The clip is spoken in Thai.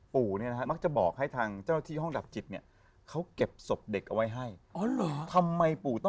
ปู่มักจะบอกให้ทางเจ้าที่ห้องดับจิต